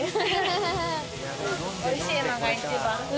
おいしいのが一番。